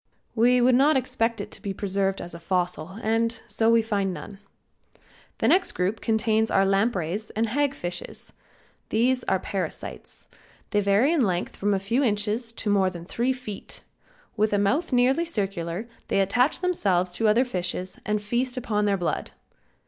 We would not expect it to be preserved as a fossil and so we find none. The next group contains our lampreys and hag fishes. These are parasites. They vary in length from a few inches to more than three feet. With a mouth nearly circular they attach themselves to other fishes and feast upon their blood.